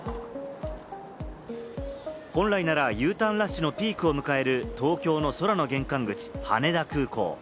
本来ならＵターンラッシュのピークを迎える東京の空の玄関口・羽田空港。